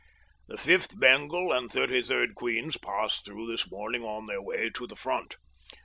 The Fifth Bengal and Thirty third Queen's passed through this morning on their way to the Front.